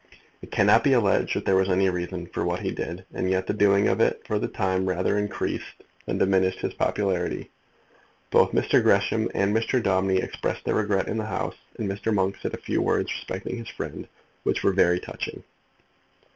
It cannot be alleged that there was any reason for what he did, and yet the doing of it for the time rather increased than diminished his popularity. Both Mr. Gresham and Mr. Daubeny expressed their regret in the House, and Mr. Monk said a few words respecting his friend, which were very touching.